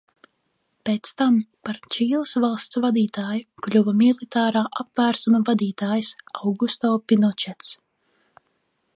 Pēc tam par Čīles valsts vadītāju kļuva militārā apvērsuma vadītājs Augusto Pinočets.